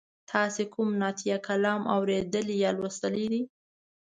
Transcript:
تاسې کوم نعتیه کلام اوریدلی یا لوستلی دی؟